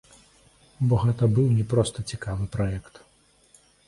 Бо гэта быў не проста цікавы праект.